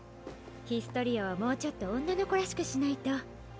ヒストリアはもうちょっと女の子らしくしないと。